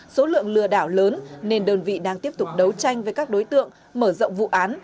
số lượng lừa đảo lớn nên đơn vị đang tiếp tục đấu tranh với các đối tượng mở rộng vụ án